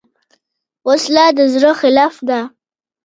وسله د زړه خلاف ده